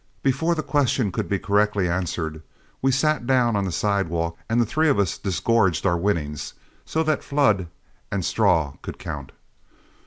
Before the question could be correctly answered, we sat down on the sidewalk and the three of us disgorged our winnings, so that Flood and Straw could count.